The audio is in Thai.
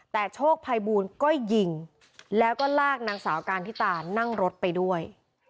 แต่โชคภัยบูลก็ยิงแล้วก็ลากนางสาวการทิตานั่งรถไปด้วย